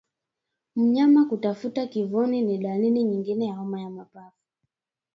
Mnyama kutafuta kivuli ni dalili nyingine ya homa ya mapafu